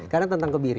karena tentang kebiri